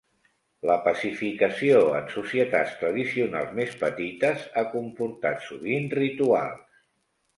La pacificació en societats tradicionals més petites ha comportat sovint rituals.